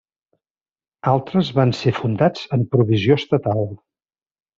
Altres van ser fundats en provisió estatal.